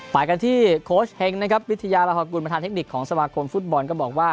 ปรากฏกันที่โค้ชเฮงวิทยาราหกุลบันทานเทคนิคว่า